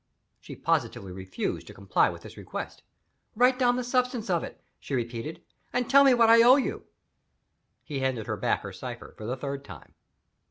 She positively refused to comply with this request. "Write down the substance of it," she repeated, "and tell me what I owe you." He handed her back her cipher for the third time.